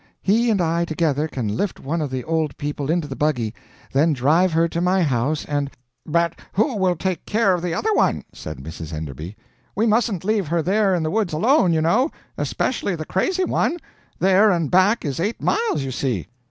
He and I together can lift one of the Old People into the buggy; then drive her to my house and "But who will take care of the other one?" said Mrs. Enderby. "We musn't leave her there in the woods alone, you know especially the crazy one. There and back is eight miles, you see."